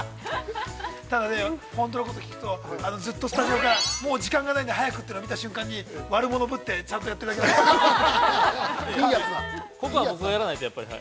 ◆ただ、本当のことを聞くと、ずっとスタジオからもう時間がないので早くと見た瞬間に悪者ぶって、ちゃんとやっているだけなんです。